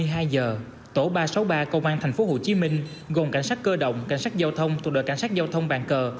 hai mươi hai h tổ ba trăm sáu mươi ba công an tp hcm gồm cảnh sát cơ động cảnh sát giao thông thuộc đội cảnh sát giao thông bàn cờ